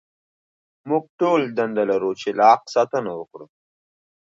موږ ټول دنده لرو چې له حق ساتنه وکړو.